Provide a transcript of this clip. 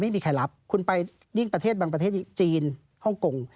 ไม่มีใครรับคุณไปยิ่งประเทศบางประเทศจีนฮ่องกง